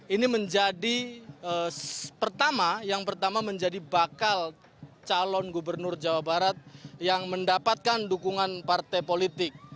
ini menjadi pertama yang pertama menjadi bakal calon gubernur jawa barat yang mendapatkan dukungan partai politik